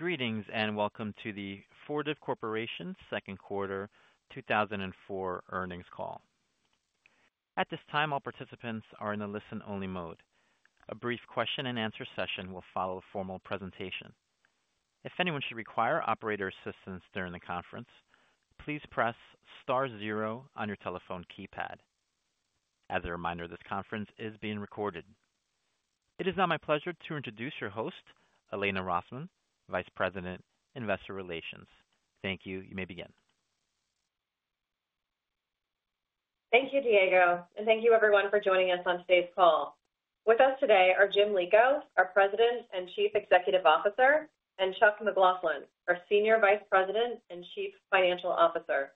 Greetings and welcome to the Fortive Corporation Second Quarter 2024 Earnings Call. At this time, all participants are in the listen-only mode. A brief question-and-answer session will follow a formal presentation. If anyone should require operator assistance during the conference, please press star zero on your telephone keypad. As a reminder, this conference is being recorded. It is now my pleasure to introduce your host, Elena Rosman, Vice President, Investor Relations. Thank you. You may begin. Thank you, Diego. Thank you, everyone, for joining us on today's call. With us today are Jim Lico, our President and Chief Executive Officer, and Chuck McLaughlin, our Senior Vice President and Chief Financial Officer.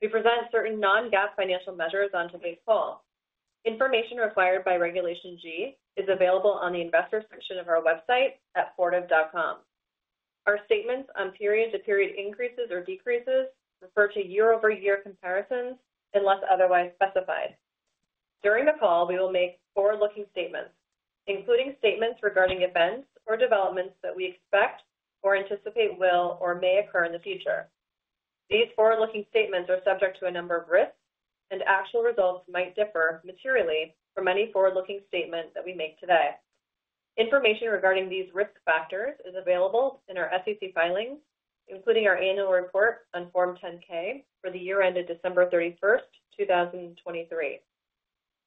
We present certain non-GAAP financial measures on today's call. Information required by Regulation G is available on the investor section of our website at fortive.com. Our statements on period-to-period increases or decreases refer to year-over-year comparisons unless otherwise specified. During the call, we will make forward-looking statements, including statements regarding events or developments that we expect or anticipate will or may occur in the future. These forward-looking statements are subject to a number of risks, and actual results might differ materially from any forward-looking statement that we make today. Information regarding these risk factors is available in our SEC filings, including our annual report on Form 10-K for the year ended December 31st, 2023.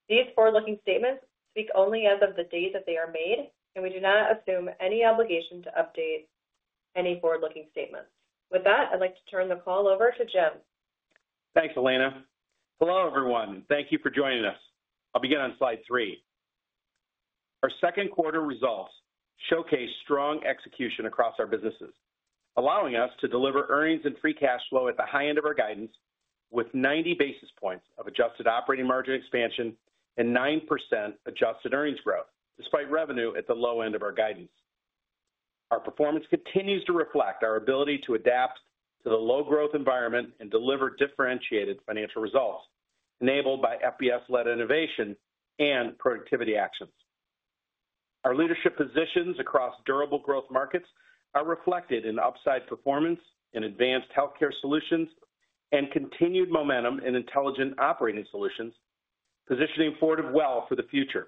These forward-looking statements speak only as of the date that they are made, and we do not assume any obligation to update any forward-looking statements. With that, I'd like to turn the call over to Jim. Thanks, Elena. Hello, everyone. Thank you for joining us. I'll begin on slide 3. Our second quarter results showcase strong execution across our businesses, allowing us to deliver earnings and free cash flow at the high end of our guidance, with 90 basis points of adjusted operating margin expansion and 9% adjusted earnings growth, despite revenue at the low end of our guidance. Our performance continues to reflect our ability to adapt to the low-growth environment and deliver differentiated financial results, enabled by FBS-led innovation and productivity actions. Our leadership positions across durable growth markets are reflected in upside performance in advanced healthcare solutions and continued momentum in intelligent operating solutions, positioning Fortive well for the future.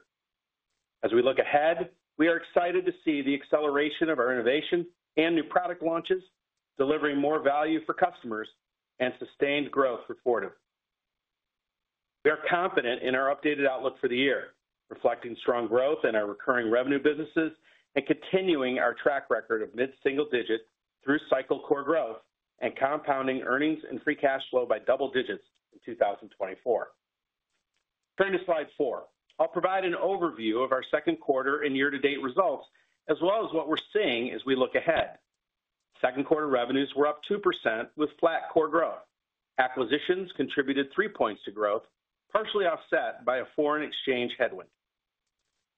As we look ahead, we are excited to see the acceleration of our innovation and new product launches, delivering more value for customers and sustained growth for Fortive. We are confident in our updated outlook for the year, reflecting strong growth in our recurring revenue businesses and continuing our track record of mid-single digit through cycle core growth and compounding earnings and free cash flow by double digits in 2024. Turning to slide 4, I'll provide an overview of our second quarter and year-to-date results, as well as what we're seeing as we look ahead. Second quarter revenues were up 2% with flat core growth. Acquisitions contributed 3 points to growth, partially offset by a foreign exchange headwind.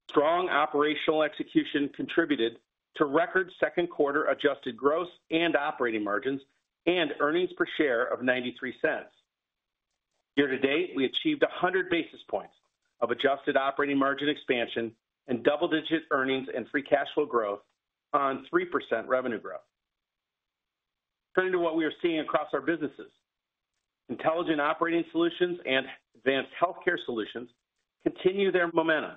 Strong operational execution contributed to record second quarter adjusted gross and operating margins and earnings per share of $0.93. Year-to-date, we achieved 100 basis points of adjusted operating margin expansion and double-digit earnings and free cash flow growth on 3% revenue growth. Turning to what we are seeing across our businesses, Intelligent Operating Solutions and Advanced Healthcare Solutions continue their momentum,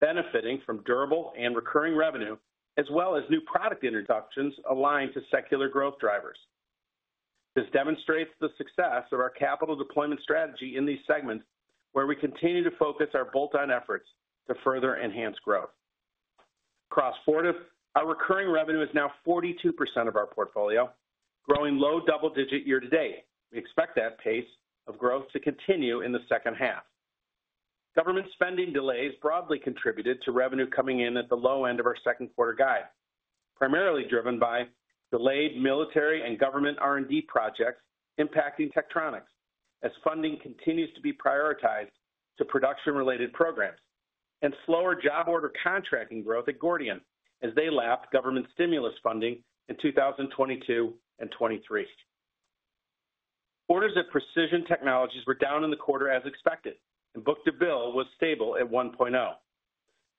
benefiting from durable and recurring revenue, as well as new product introductions aligned to secular growth drivers. This demonstrates the success of our capital deployment strategy in these segments, where we continue to focus our bolt-on efforts to further enhance growth. Across Fortive, our recurring revenue is now 42% of our portfolio, growing low double-digit year-to-date. We expect that pace of growth to continue in the second half. Government spending delays broadly contributed to revenue coming in at the low end of our second quarter guide, primarily driven by delayed military and government R&D projects impacting Tektronix, as funding continues to be prioritized to production-related programs and slower Job Order Contracting growth at Gordian as they lapped government stimulus funding in 2022 and 2023. Orders at Precision Technologies were down in the quarter as expected, and book-to-bill was stable at 1.0.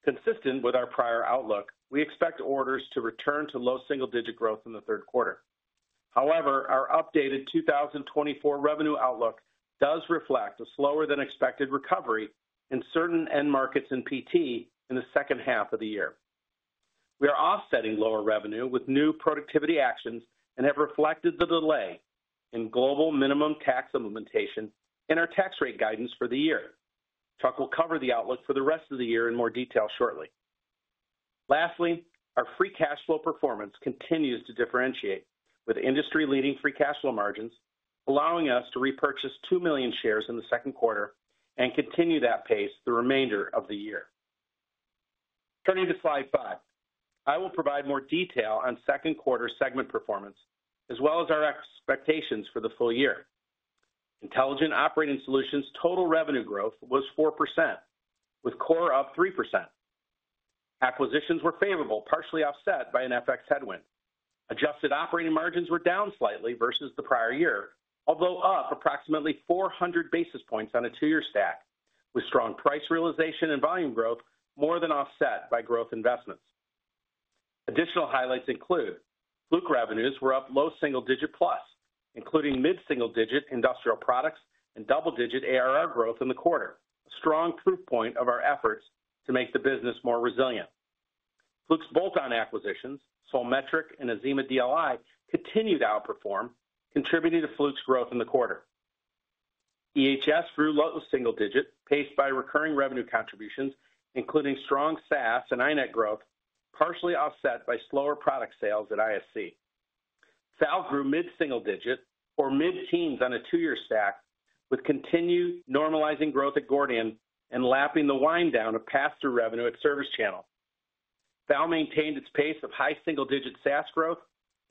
Consistent with our prior outlook, we expect orders to return to low single-digit growth in the third quarter. However, our updated 2024 revenue outlook does reflect a slower-than-expected recovery in certain end markets in PT in the second half of the year. We are offsetting lower revenue with new productivity actions and have reflected the delay in Global Minimum Tax implementation in our tax rate guidance for the year. Chuck will cover the outlook for the rest of the year in more detail shortly. Lastly, our free cash flow performance continues to differentiate with industry-leading free cash flow margins, allowing us to repurchase 2 million shares in the second quarter and continue that pace the remainder of the year. Turning to slide 5, I will provide more detail on second quarter segment performance, as well as our expectations for the full year. Intelligent Operating Solutions total revenue growth was 4%, with core up 3%. Acquisitions were favorable, partially offset by an FX headwind. Adjusted operating margins were down slightly versus the prior year, although up approximately 400 basis points on a 2-year stack, with strong price realization and volume growth more than offset by growth investments. Additional highlights include: Fluke revenues were up low single-digit plus, including mid-single-digit industrial products and double-digit ARR growth in the quarter, a strong proof point of our efforts to make the business more resilient. Fluke's bolt-on acquisitions, Solmetric and Azima DLI, continued to outperform, contributing to Fluke's growth in the quarter. EHS grew low single-digit, paced by recurring revenue contributions, including strong SaaS and iNet growth, partially offset by slower product sales at ISC. IOS grew mid-single-digit or mid-teens on a two-year stack, with continued normalizing growth at Gordian and lapping the wind down of pass-through revenue at ServiceChannel. IOS maintained its pace of high single-digit SaaS growth,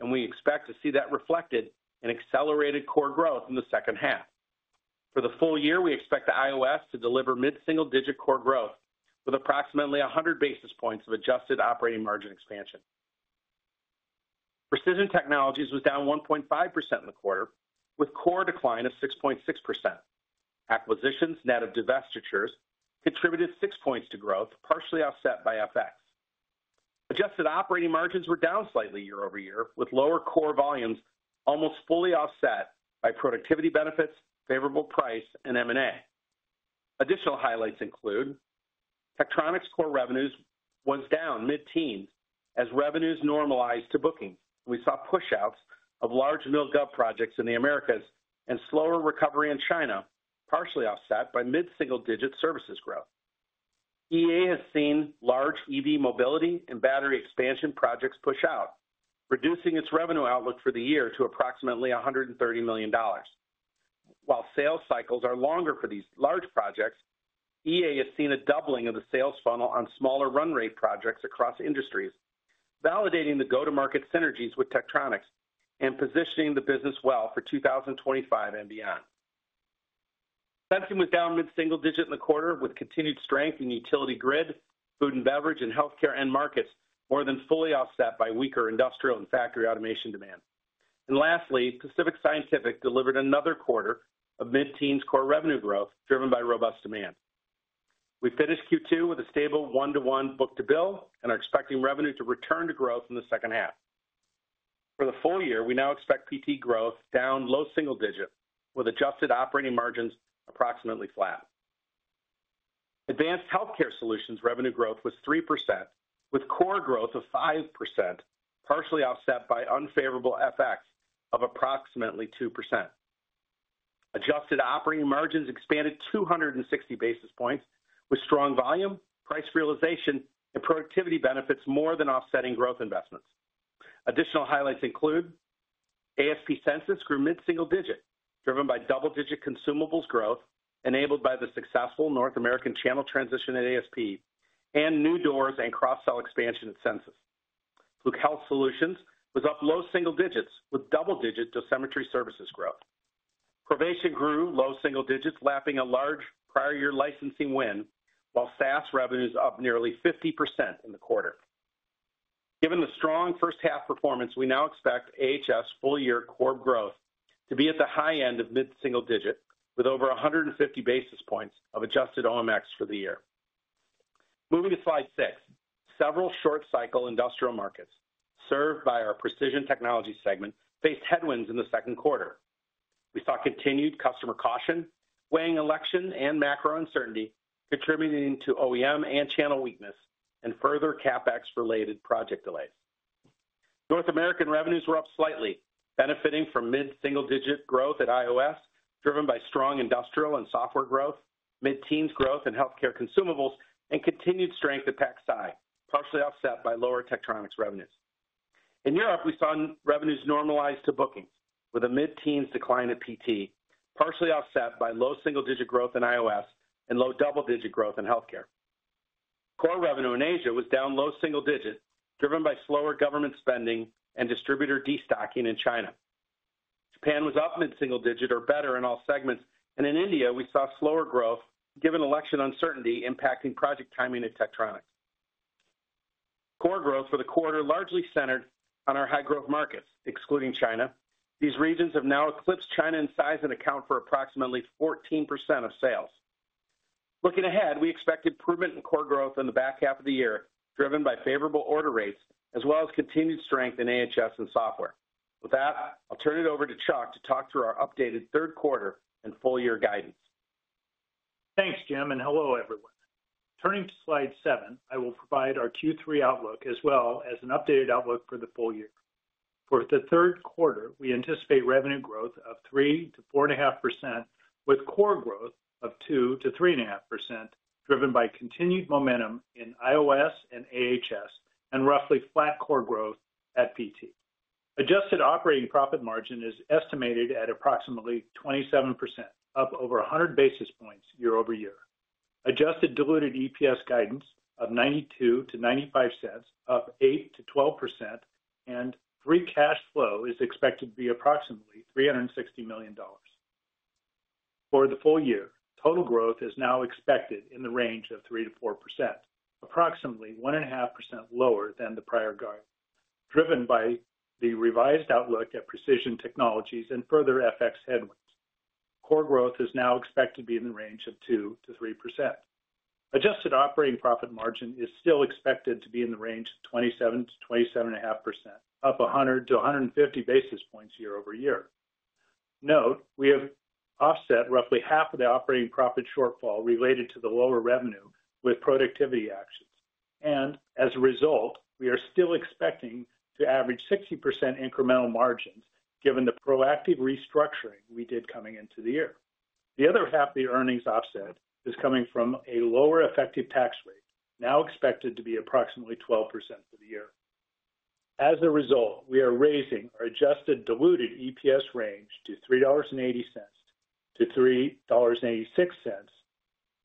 and we expect to see that reflected in accelerated core growth in the second half. For the full year, we expect the IOS to deliver mid-single-digit core growth with approximately 100 basis points of adjusted operating margin expansion. Precision Technologies was down 1.5% in the quarter, with core decline of 6.6%. Acquisitions net of divestitures contributed six points to growth, partially offset by FX. Adjusted operating margins were down slightly year-over-year, with lower core volumes almost fully offset by productivity benefits, favorable price, and M&A. Additional highlights include: Tektronix core revenues was down mid-teens as revenues normalized to bookings. We saw push-outs of large Mil-Gov projects in the Americas and slower recovery in China, partially offset by mid-single-digit services growth. EA has seen large EV mobility and battery expansion projects push out, reducing its revenue outlook for the year to approximately $130 million. While sales cycles are longer for these large projects, EA has seen a doubling of the sales funnel on smaller run-rate projects across industries, validating the go-to-market synergies with Tektronix and positioning the business well for 2025 and beyond. Sensing was down mid-single digit in the quarter, with continued strength in utility grid, food and beverage, and healthcare end markets more than fully offset by weaker industrial and factory automation demand. Lastly, Pacific Scientific delivered another quarter of mid-teens core revenue growth driven by robust demand. We finished Q2 with a stable 1-to-1 book-to-bill and are expecting revenue to return to growth in the second half. For the full year, we now expect PT growth down low single-digit, with adjusted operating margins approximately flat. Advanced Healthcare Solutions revenue growth was 3%, with core growth of 5%, partially offset by unfavorable FX of approximately 2%. Adjusted operating margins expanded 260 basis points, with strong volume, price realization, and productivity benefits more than offsetting growth investments. Additional highlights include: ASP, Censis grew mid-single-digit, driven by double-digit consumables growth enabled by the successful North American channel transition at ASP and new doors and cross-sell expansion at Censis. Fluke Health Solutions was up low single digits, with double-digit dosimetry services growth. Provation grew low single digits, lapping a large prior-year licensing win, while SaaS revenues up nearly 50% in the quarter. Given the strong first-half performance, we now expect AHS full-year core growth to be at the high end of mid-single-digit, with over 150 basis points of adjusted operating margin for the year. Moving to slide 6, several short-cycle industrial markets served by our Precision Technologies segment faced headwinds in the second quarter. We saw continued customer caution weighing election and macro uncertainty, contributing to OEM and channel weakness and further CapEx-related project delays. North American revenues were up slightly, benefiting from mid-single-digit growth at IOS, driven by strong industrial and software growth, mid-teens growth in healthcare consumables, and continued strength at PacSci, partially offset by lower Tektronix revenues. In Europe, we saw revenues normalized to bookings, with a mid-teens decline at PT, partially offset by low single-digit growth in IOS and low double-digit growth in healthcare. Core revenue in Asia was down low single-digit, driven by slower government spending and distributor destocking in China. Japan was up mid-single-digit or better in all segments, and in India, we saw slower growth given election uncertainty impacting project timing at Tektronix. Core growth for the quarter largely centered on our high-growth markets, excluding China. These regions have now eclipsed China in size and account for approximately 14% of sales. Looking ahead, we expected improvement in core growth in the back half of the year, driven by favorable order rates, as well as continued strength in AHS and software. With that, I'll turn it over to Chuck to talk through our updated third quarter and full-year guidance. Thanks, Jim, and hello, everyone. Turning to slide 7, I will provide our Q3 outlook, as well as an updated outlook for the full year. For the third quarter, we anticipate revenue growth of 3%-4.5%, with core growth of 2%-3.5%, driven by continued momentum in IOS and AHS and roughly flat core growth at PT. Adjusted operating profit margin is estimated at approximately 27%, up over 100 basis points year-over-year. Adjusted diluted EPS guidance of $0.92-$0.95, up 8%-12%, and free cash flow is expected to be approximately $360 million. For the full year, total growth is now expected in the range of 3%-4%, approximately 1.5% lower than the prior guidance, driven by the revised outlook at Precision Technologies and further FX headwinds. Core growth is now expected to be in the range of 2%-3%. Adjusted operating profit margin is still expected to be in the range of 27%-27.5%, up 100 to 150 basis points year-over-year. Note, we have offset roughly half of the operating profit shortfall related to the lower revenue with productivity actions. And as a result, we are still expecting to average 60% incremental margins given the proactive restructuring we did coming into the year. The other half of the earnings offset is coming from a lower effective tax rate, now expected to be approximately 12% for the year. As a result, we are raising our adjusted diluted EPS range to $3.80-$3.86,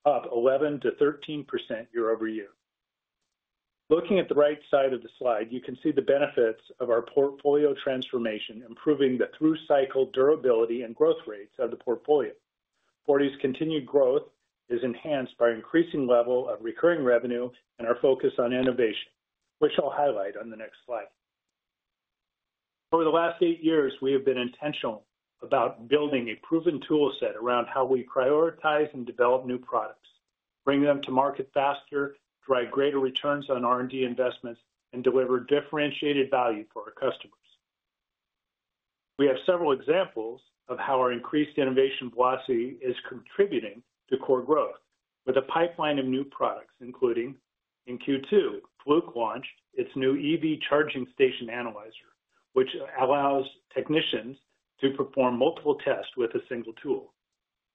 up 11%-13% year-over-year. Looking at the right side of the slide, you can see the benefits of our portfolio transformation, improving the through-cycle durability and growth rates of the portfolio. Fortive's continued growth is enhanced by an increasing level of recurring revenue and our focus on innovation, which I'll highlight on the next slide. Over the last eight years, we have been intentional about building a proven toolset around how we prioritize and develop new products, bring them to market faster, drive greater returns on R&D investments, and deliver differentiated value for our customers. We have several examples of how our increased innovation velocity is contributing to core growth, with a pipeline of new products, including in Q2, Fluke launched its new EV Charging Station Analyzer, which allows technicians to perform multiple tests with a single tool.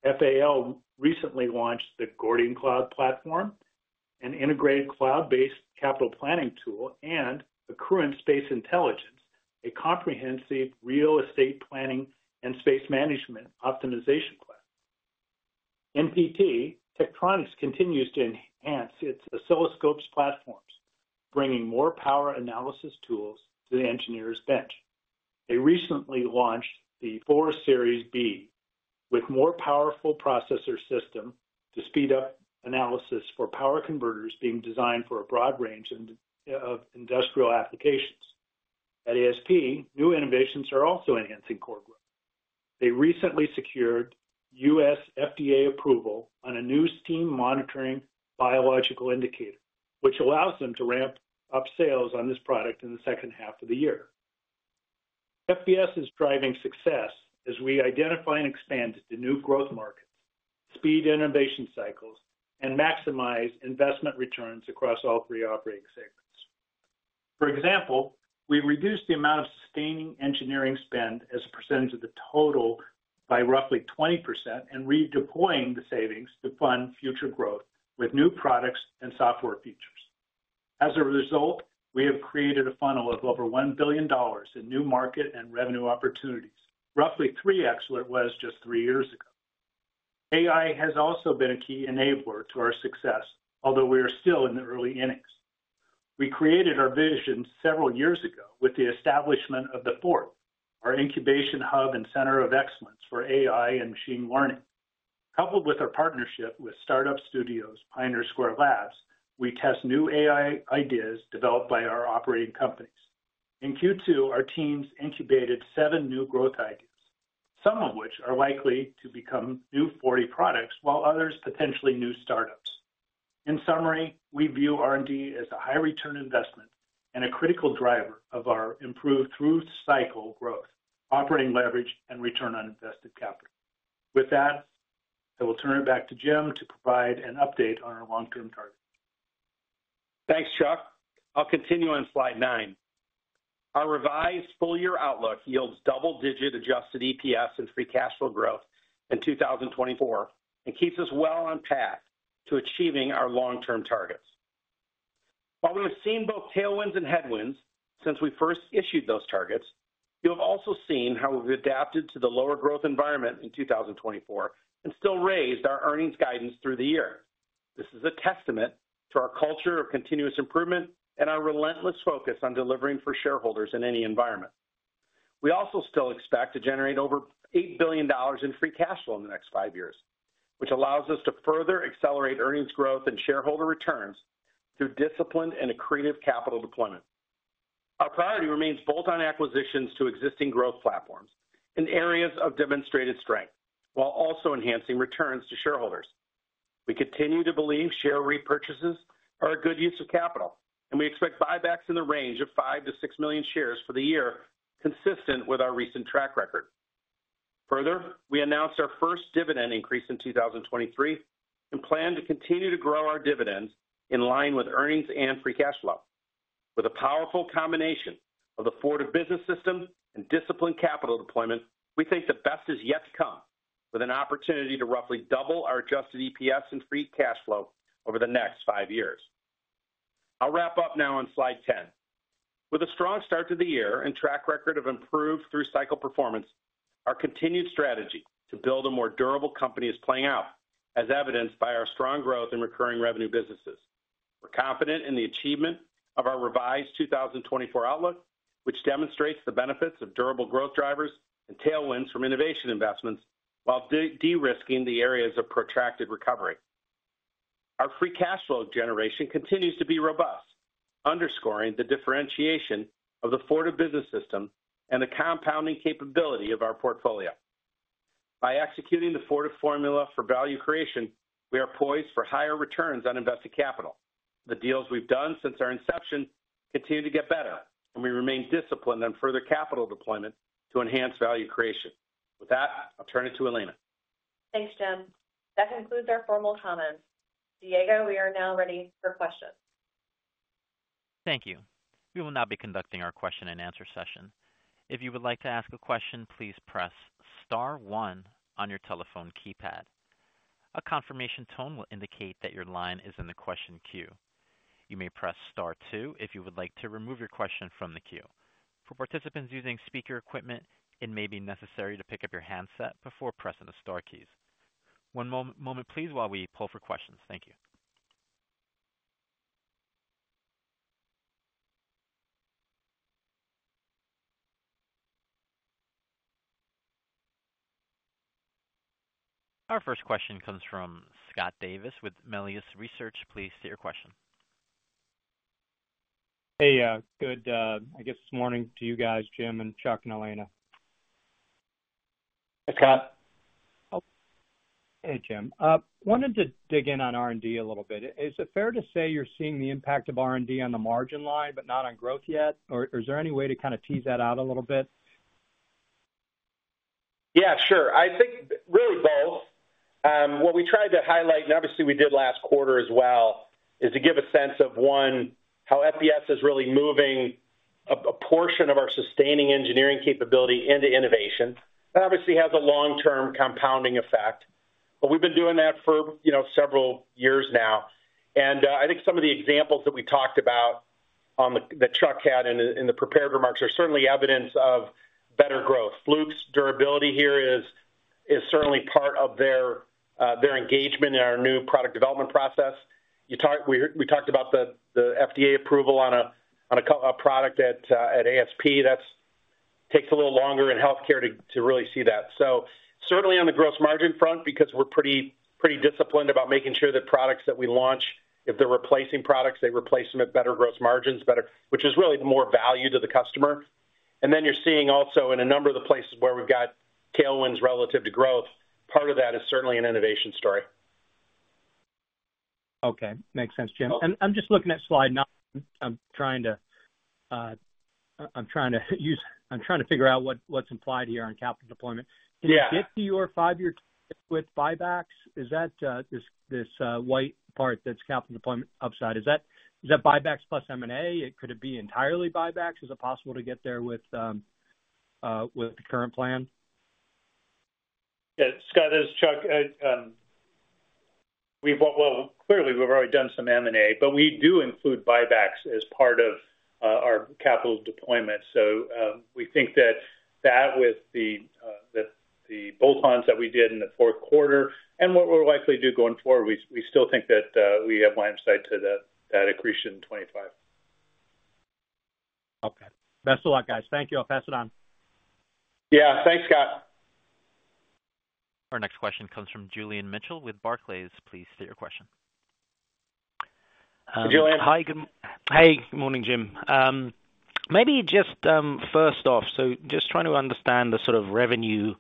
FAL recently launched the Gordian Cloud platform, an integrated cloud-based capital planning tool, and Accruent's Space Intelligence, a comprehensive real estate planning and space management optimization platform. In PT, Tektronix continues to enhance its oscilloscope platforms, bringing more power analysis tools to the engineer's bench. They recently launched the 4 Series B with more powerful processor systems to speed up analysis for power converters being designed for a broad range of industrial applications. At ASP, new innovations are also enhancing core growth. They recently secured U.S. FDA approval on a new steam monitoring biological indicator, which allows them to ramp up sales on this product in the second half of the year. FBS is driving success as we identify and expand into new growth markets, speed innovation cycles, and maximize investment returns across all three operating segments. For example, we reduced the amount of sustaining engineering spend as a percentage of the total by roughly 20% and redeploying the savings to fund future growth with new products and software features. As a result, we have created a funnel of over $1 billion in new market and revenue opportunities, roughly 3x what it was just three years ago. AI has also been a key enabler to our success, although we are still in the early innings. We created our vision several years ago with the establishment of The Fort, our incubation hub and center of excellence for AI and machine learning. Coupled with our partnership with startup studios Pioneer Square Labs, we test new AI ideas developed by our operating companies. In Q2, our teams incubated 7 new growth ideas, some of which are likely to become new Fortive products, while others potentially new startups. In summary, we view R&D as a high-return investment and a critical driver of our improved through-cycle growth, operating leverage, and return on invested capital. With that, I will turn it back to Jim to provide an update on our long-term target. Thanks, Chuck. I'll continue on slide 9. Our revised full-year outlook yields double-digit adjusted EPS and free cash flow growth in 2024 and keeps us well on track to achieving our long-term targets. While we have seen both tailwinds and headwinds since we first issued those targets, you have also seen how we've adapted to the lower growth environment in 2024 and still raised our earnings guidance through the year. This is a testament to our culture of continuous improvement and our relentless focus on delivering for shareholders in any environment. We also still expect to generate over $8 billion in free cash flow in the next five years, which allows us to further accelerate earnings growth and shareholder returns through disciplined and accretive capital deployment. Our priority remains bolt-on acquisitions to existing growth platforms in areas of demonstrated strength, while also enhancing returns to shareholders. We continue to believe share repurchases are a good use of capital, and we expect buybacks in the range of 5-6 million shares for the year, consistent with our recent track record. Further, we announced our first dividend increase in 2023 and plan to continue to grow our dividends in line with earnings and free cash flow. With a powerful combination of the Fortive Business System and disciplined capital deployment, we think the best is yet to come, with an opportunity to roughly double our adjusted EPS and free cash flow over the next five years. I'll wrap up now on slide 10. With a strong start to the year and track record of improved through-cycle performance, our continued strategy to build a more durable company is playing out, as evidenced by our strong growth in recurring revenue businesses. We're confident in the achievement of our revised 2024 outlook, which demonstrates the benefits of durable growth drivers and tailwinds from innovation investments, while de-risking the areas of protracted recovery. Our free cash flow generation continues to be robust, underscoring the differentiation of the Fortive business system and the compounding capability of our portfolio. By executing the Fortive formula for value creation, we are poised for higher returns on invested capital. The deals we've done since our inception continue to get better, and we remain disciplined on further capital deployment to enhance value creation. With that, I'll turn it to Elena. Thanks, Jim. That concludes our formal comments. Diego, we are now ready for questions. Thank you. We will now be conducting our question-and-answer session. If you would like to ask a question, please press star 1 on your telephone keypad. A confirmation tone will indicate that your line is in the question queue. You may press star 2 if you would like to remove your question from the queue. For participants using speaker equipment, it may be necessary to pick up your handset before pressing the star keys. One moment, please, while we pull for questions. Thank you. Our first question comes from Scott Davis with Melius Research. Please state your question. Hey, good, I guess, morning to you guys, Jim and Chuck and Elena. Hi, Scott. Hey, Jim. I wanted to dig in on R&D a little bit. Is it fair to say you're seeing the impact of R&D on the margin line, but not on growth yet? Or is there any way to kind of tease that out a little bit? Yeah, sure. I think really both. What we tried to highlight, and obviously we did last quarter as well, is to give a sense of, one, how FBS is really moving a portion of our sustaining engineering capability into innovation. That obviously has a long-term compounding effect. But we've been doing that for several years now. And I think some of the examples that we talked about that Chuck had in the prepared remarks are certainly evidence of better growth. Fluke's durability here is certainly part of their engagement in our new product development process. We talked about the FDA approval on a product at ASP. That takes a little longer in healthcare to really see that. Certainly on the gross margin front, because we're pretty disciplined about making sure that products that we launch, if they're replacing products, they replace them at better gross margins, which is really more value to the customer. And then you're seeing also in a number of the places where we've got tailwinds relative to growth, part of that is certainly an innovation story. Okay. Makes sense, Jim. And I'm just looking at slide 9. I'm trying to figure out what's implied here on capital deployment. Can you get to your five-year with buybacks? Is that this white part that's capital deployment upside? Is that buybacks plus M&A? Could it be entirely buybacks? Is it possible to get there with the current plan? Yeah. Scott, this Chuck clearly we've already done some M&A, but we do include buybacks as part of our capital deployment. So we think that that with the bolt-ons that we did in the fourth quarter and what we'll likely do going forward, we still think that we have landslide to that accretion in 2025. Okay. Best of luck, guys. Thank you. I'll pass it on. Yeah. Thanks, Scott. Our next question comes from Julian Mitchell with Barclays. Please state your question. Julian. Hi. Hi. Good morning, Jim. Maybe just first off, so just trying to understand the sort of revenue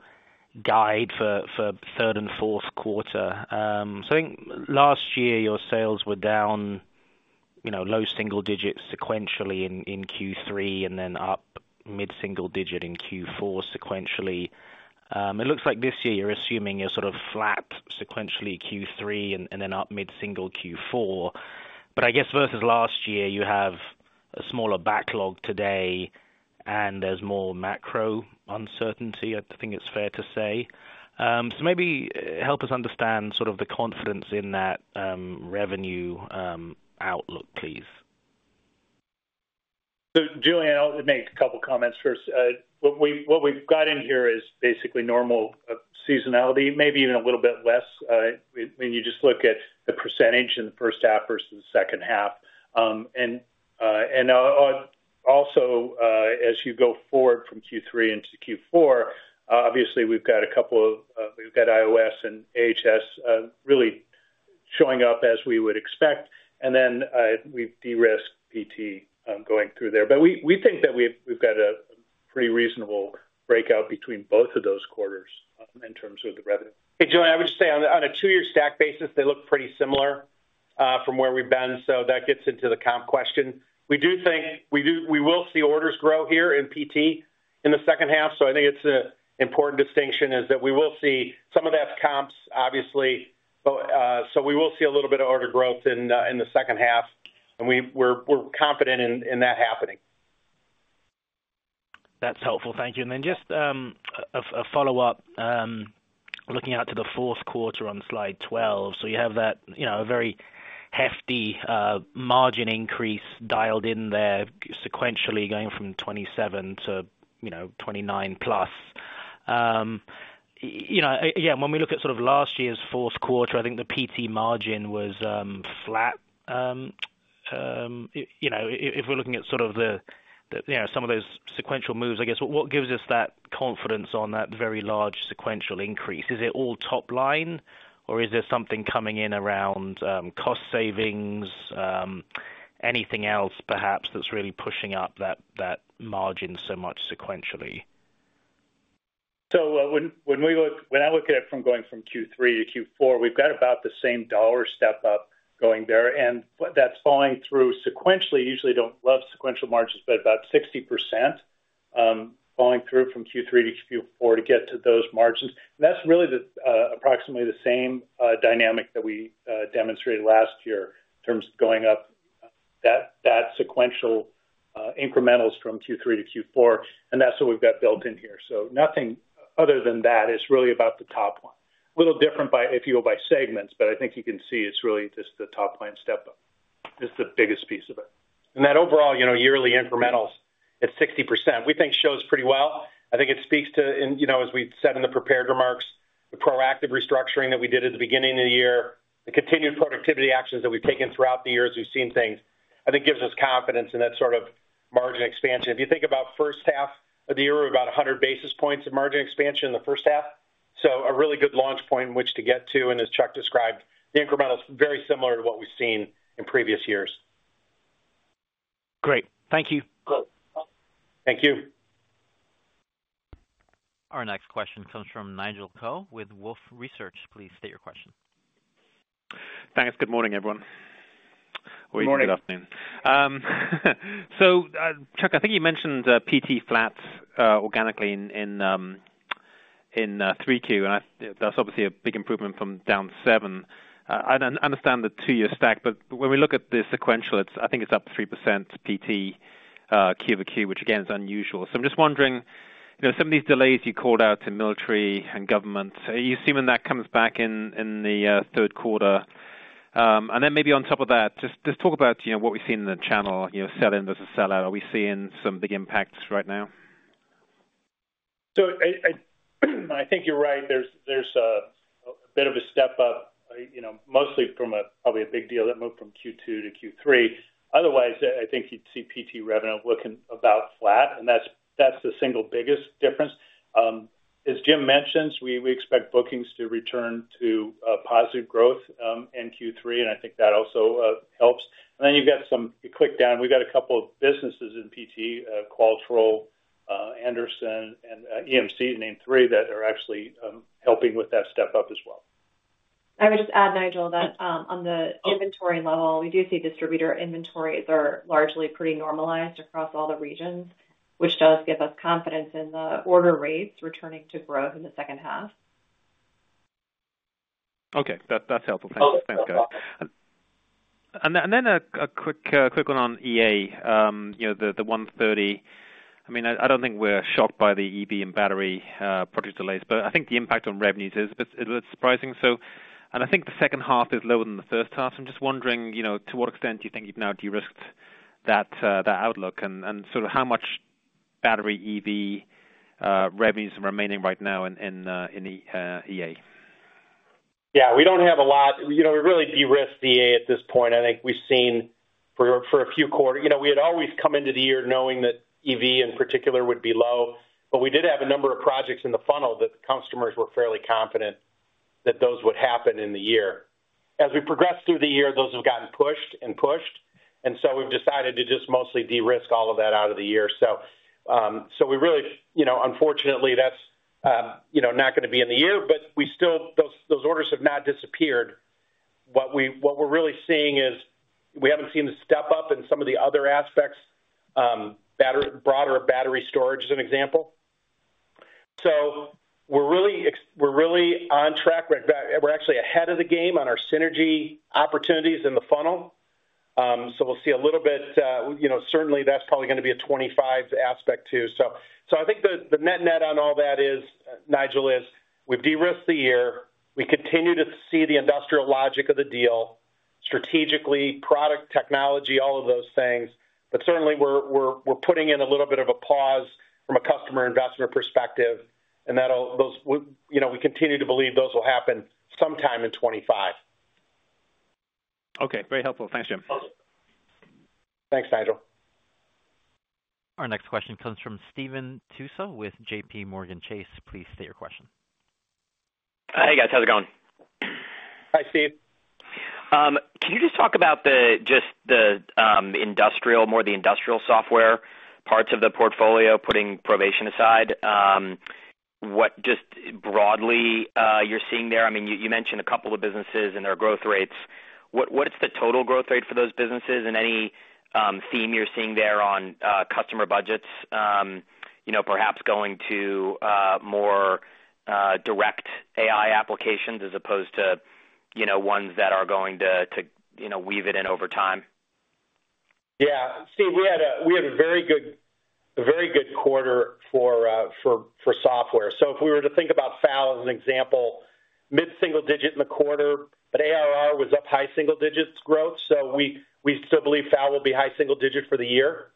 guide for third and fourth quarter. So I think last year your sales were down low single digits sequentially in Q3 and then up mid-single digit in Q4 sequentially. It looks like this year you're assuming you're sort of flat sequentially Q3 and then up mid-single Q4. But I guess versus last year, you have a smaller backlog today, and there's more macro uncertainty, I think it's fair to say. So maybe help us understand sort of the confidence in that revenue outlook, please. So Julian, I'll make a couple of comments first. What we've got in here is basically normal seasonality, maybe even a little bit less when you just look at the percentage in the first half versus the second half. And also, as you go forward from Q3 into Q4, obviously we've got IOS and AHS really showing up as we would expect. And then we've de-risked PT going through there. But we think that we've got a pretty reasonable breakout between both of those quarters in terms of the revenue. Hey, Julian, I would just say on a two-year stack basis, they look pretty similar from where we've been. So that gets into the comp question. We do think we will see orders grow here in PT in the second half. So I think it's an important distinction is that we will see some of that's comps, obviously. So we will see a little bit of order growth in the second half, and we're confident in that happening. That's helpful. Thank you. Then just a follow-up, looking out to the fourth quarter on slide 12. You have that very hefty margin increase dialed in there sequentially going from 27 to 29 plus. Again, when we look at sort of last year's fourth quarter, I think the PT margin was flat. If we're looking at sort of some of those sequential moves, I guess, what gives us that confidence on that very large sequential increase? Is it all top line, or is there something coming in around cost savings, anything else perhaps that's really pushing up that margin so much sequentially? So when I look at it from going from Q3 to Q4, we've got about the same dollar step up going there. And that's falling through sequentially. Usually, I don't love sequential margins, but about 60% falling through from Q3 to Q4 to get to those margins. And that's really approximately the same dynamic that we demonstrated last year in terms of going up that sequential incrementals from Q3 to Q4. And that's what we've got built in here. So nothing other than that is really about the top line. A little different if you go by segments, but I think you can see it's really just the top line step up is the biggest piece of it. And that overall yearly incremental at 60%, we think shows pretty well. I think it speaks to, as we said in the prepared remarks, the proactive restructuring that we did at the beginning of the year, the continued productivity actions that we've taken throughout the years we've seen things. I think it gives us confidence in that sort of margin expansion. If you think about first half of the year, we're about 100 basis points of margin expansion in the first half. So a really good launch point in which to get to. And as Chuck described, the incremental is very similar to what we've seen in previous years. Great. Thank you. Thank you. Our next question comes from Nigel Coe with Wolfe Research. Please state your question. Thanks. Good morning, everyone. Morning. Good afternoon. So Chuck, I think you mentioned PT flat organically in Q3. And that's obviously a big improvement from down 7%. I don't understand the two-year stack, but when we look at the sequential, I think it's up 3% PT Q over Q, which again is unusual. So I'm just wondering, some of these delays you called out to military and government, you're assuming that comes back in the third quarter. And then maybe on top of that, just talk about what we've seen in the channel, sell in versus sell out. Are we seeing some big impacts right now? So I think you're right. There's a bit of a step up, mostly from probably a big deal that moved from Q2 to Q3. Otherwise, I think you'd see PT revenue looking about flat. And that's the single biggest difference. As Jim mentioned, we expect bookings to return to positive growth in Q3. And I think that also helps. And then you click down, we've got a couple of businesses in PT, Qualitrol, Anderson, and EMC, name three, that are actually helping with that step up as well. I would just add, Nigel, that on the inventory level, we do see distributor inventories are largely pretty normalized across all the regions, which does give us confidence in the order rates returning to growth in the second half. Okay. That's helpful. Thanks, guys. And then a quick one on EA, the 130. I mean, I don't think we're shocked by the EV and battery project delays, but I think the impact on revenues is surprising. And I think the second half is lower than the first half. I'm just wondering to what extent do you think you've now de-risked that outlook and sort of how much battery EV revenues are remaining right now in EA? Yeah. We don't have a lot. We really de-risked EA at this point. I think we've seen for a few quarters we had always come into the year knowing that EV in particular would be low. But we did have a number of projects in the funnel that customers were fairly confident that those would happen in the year. As we progressed through the year, those have gotten pushed and pushed. And so we've decided to just mostly de-risk all of that out of the year. So we really, unfortunately, that's not going to be in the year, but those orders have not disappeared. What we're really seeing is we haven't seen the step up in some of the other aspects, broader battery storage as an example. So we're really on track. We're actually ahead of the game on our synergy opportunities in the funnel. We'll see a little bit. Certainly, that's probably going to be a 2025 aspect too. I think the net-net on all that is, Nigel, is we've de-risked the year. We continue to see the industrial logic of the deal strategically, product technology, all of those things. But certainly, we're putting in a little bit of a pause from a customer investment perspective. We continue to believe those will happen sometime in 2025. Okay. Very helpful. Thanks, Jim. Thanks, Nigel. Our next question comes from Steve Tusa with JPMorgan Chase. Please state your question. Hey, guys. How's it going? Hi, Steve. Can you just talk about just more of the industrial software parts of the portfolio, putting Provation aside? Just broadly, you're seeing there, I mean, you mentioned a couple of businesses and their growth rates. What's the total growth rate for those businesses and any theme you're seeing there on customer budgets, perhaps going to more direct AI applications as opposed to ones that are going to weave it in over time? Yeah. Steve, we had a very good quarter for software. So if we were to think about FAL as an example, mid-single digit in the quarter, but ARR was up high single digits growth. So we still believe FAL will be high single digit for the year.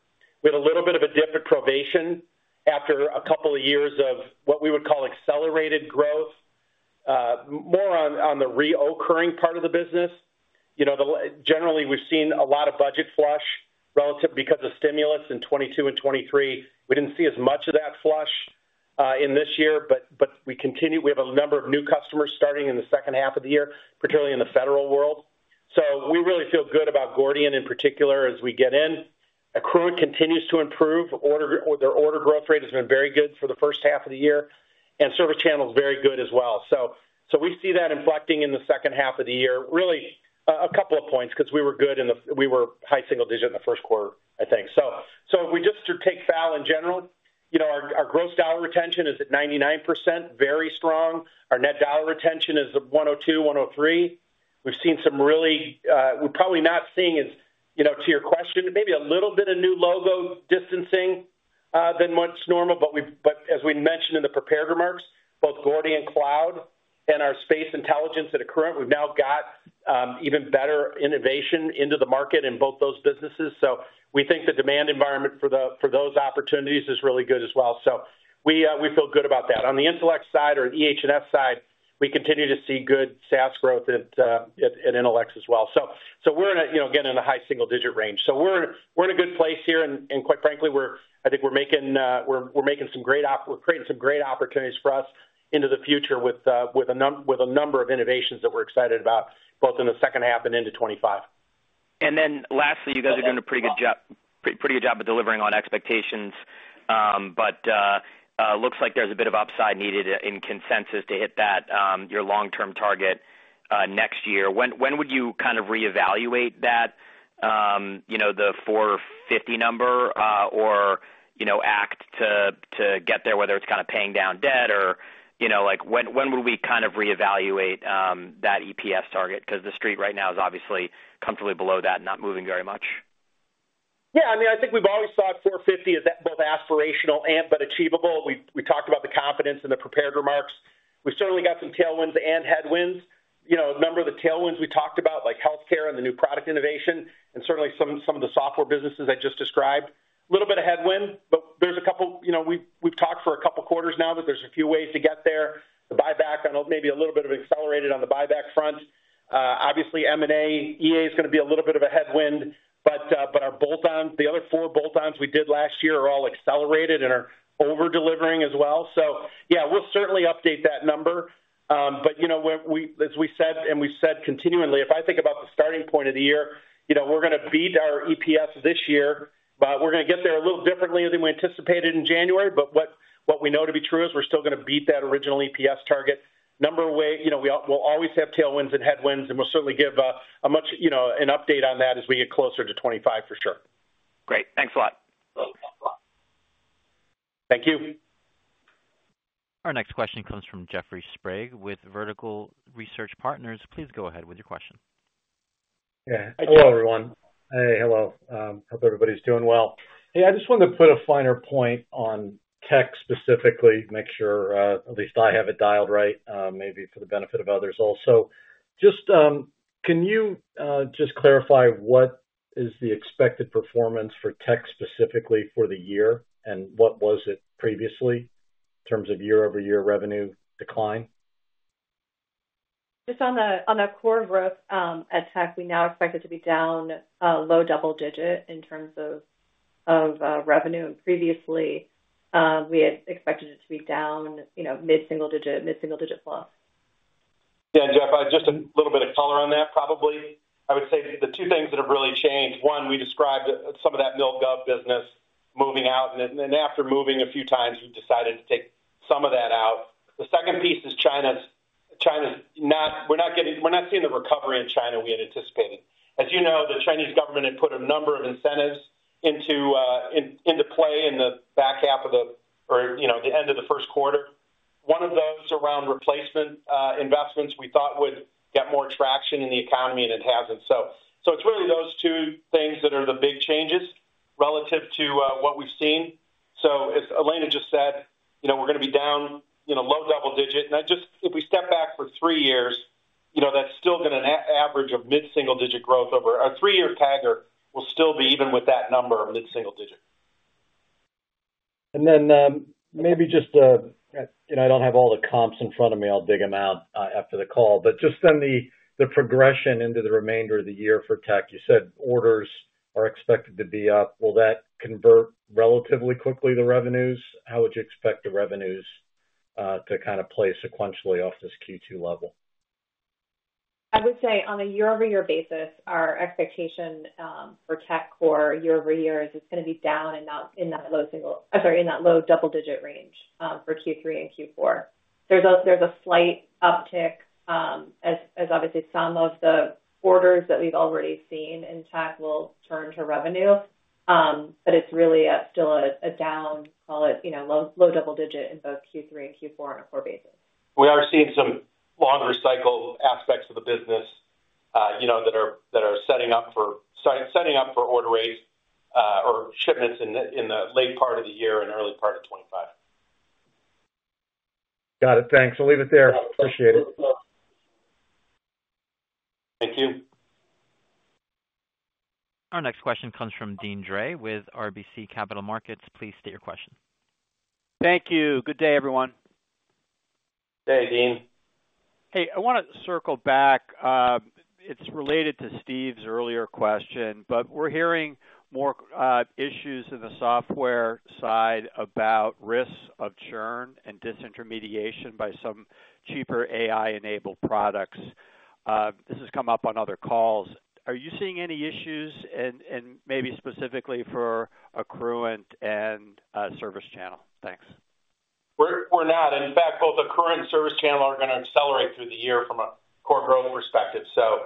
We had a little bit of a dip at Provation after a couple of years of what we would call accelerated growth, more on the recurring part of the business. Generally, we've seen a lot of budget flush relative because of stimulus in 2022 and 2023. We didn't see as much of that flush in this year, but we have a number of new customers starting in the second half of the year, particularly in the federal world. So we really feel good about Gordian in particular as we get in. Accruent continues to improve. Their order growth rate has been very good for the first half of the year. ServiceChannel is very good as well. We see that inflecting in the second half of the year. Really, a couple of points because we were good and we were high single digit in the first quarter, I think. So if we just take FAL in general, our gross dollar retention is at 99%, very strong. Our net dollar retention is 102, 103. We've seen some really we're probably not seeing, to your question, maybe a little bit of new logo distancing than what's normal. But as we mentioned in the prepared remarks, both Gordian Cloud and our Space Intelligence at Accruent, we've now got even better innovation into the market in both those businesses. So we think the demand environment for those opportunities is really good as well. So we feel good about that. On the Intelex side or EH&S side, we continue to see good SaaS growth at Intelex as well. So we're again in a high single digit range. So we're in a good place here. And quite frankly, I think we're creating some great opportunities for us into the future with a number of innovations that we're excited about, both in the second half and into 2025. Then lastly, you guys are doing a pretty good job of delivering on expectations. But it looks like there's a bit of upside needed in consensus to hit that, your long-term target next year. When would you kind of reevaluate that, the 450 number, or act to get there, whether it's kind of paying down debt? Or when would we kind of reevaluate that EPS target? Because the street right now is obviously comfortably below that and not moving very much. Yeah. I mean, I think we've always thought 450 is both aspirational and but achievable. We talked about the confidence in the prepared remarks. We've certainly got some tailwinds and headwinds. A number of the tailwinds we talked about, like healthcare and the new product innovation, and certainly some of the software businesses I just described, a little bit of headwind. But there's a couple we've talked for a couple of quarters now that there's a few ways to get there. The buyback, maybe a little bit of accelerated on the buyback front. Obviously, M&A, EA is going to be a little bit of a headwind. But our bolt-on, the other 4 bolt-ons we did last year are all accelerated and are over-delivering as well. So yeah, we'll certainly update that number. But as we said, and we've said continually, if I think about the starting point of the year, we're going to beat our EPS this year. But we're going to get there a little differently than we anticipated in January. But what we know to be true is we're still going to beat that original EPS target. No matter what, we'll always have tailwinds and headwinds, and we'll certainly give an update on that as we get closer to 2025 for sure. Great. Thanks a lot. Thank you. Our next question comes from Jeffrey Sprague with Vertical Research Partners. Please go ahead with your question. Yeah. Hello everyone. Hey, hello. I hope everybody's doing well. Hey, I just wanted to put a finer point on Tek specifically, make sure at least I have it dialed right, maybe for the benefit of others also. Just can you just clarify what is the expected performance for Tek specifically for the year and what was it previously in terms of year-over-year revenue decline? Just on the core growth at Tek, we now expect it to be down a low double digit in terms of revenue. Previously, we had expected it to be down mid-single digit, mid-single digit plus. Yeah, Jeff, just a little bit of color on that, probably. I would say the two things that have really changed, one, we described some of that Mil-Gov business moving out. And after moving a few times, we decided to take some of that out. The second piece is, in China, we're not seeing the recovery in China we had anticipated. As you know, the Chinese government had put a number of incentives into play in the back half of the year or the end of the first quarter. One of those around replacement investments, we thought would get more traction in the economy, and it hasn't. So it's really those two things that are the big changes relative to what we've seen. So as Elena just said, we're going to be down low double digit. If we step back for three years, that's still going to average a mid-single-digit growth over a three-year period. We'll still be even with that number of mid-single-digit. Then maybe just, I don't have all the comps in front of me. I'll dig them out after the call. Just on the progression into the remainder of the year for Tek, you said orders are expected to be up. Will that convert relatively quickly the revenues? How would you expect the revenues to kind of play sequentially off this Q2 level? I would say on a year-over-year basis, our expectation for Tek core year-over-year is it's going to be down in that low single, I'm sorry, in that low double digit range for Q3 and Q4. There's a slight uptick as obviously some of the orders that we've already seen in Tek will turn to revenue. But it's really still a down, call it low double digit in both Q3 and Q4 on a core basis. We are seeing some longer cycle aspects of the business that are setting up for order rates or shipments in the late part of the year and early part of 2025. Got it. Thanks. We'll leave it there. Appreciate it. Thank you. Our next question comes from Deane Dray with RBC Capital Markets. Please state your question. Thank you. Good day, everyone. Hey, Deane. Hey, I want to circle back. It's related to Steve's earlier question, but we're hearing more issues in the software side about risks of churn and disintermediation by some cheaper AI-enabled products. This has come up on other calls. Are you seeing any issues and maybe specifically for Accruent and ServiceChannel? Thanks. We're not. In fact, both Accruent and ServiceChannel are going to accelerate through the year from a core growth perspective. So